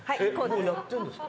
もうやってるんですか？